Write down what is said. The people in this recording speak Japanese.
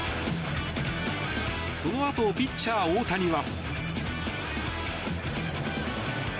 そのあと、ピッチャー大谷は。